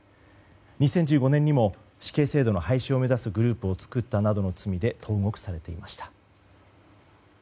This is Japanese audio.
２０１５年にも死刑制度の廃止を目指すグループを作ったなどの罪で投獄されていました。